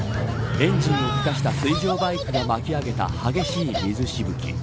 エンジンをふかした水上バイクが巻き上げた激しい水しぶき。